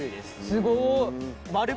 すごい。